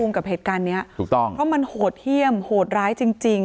ฝูงกับเหตุการณ์ถูกต้องเพราะมันหดเที่ยมหดร้ายจริงจริง